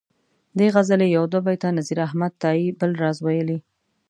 دې غزلي یو دوه بیته نذیر احمد تائي بل راز ویلي.